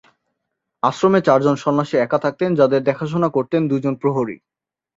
আশ্রমে চারজন সন্ন্যাসী একা থাকতেন, যাদের দেখাশোনা করতেন দুজন প্রহরী।